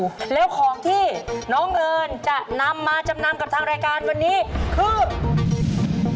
แล้วของที่น้องเอิญจะนำมาจำนำกับทางรายการวันนี้คือ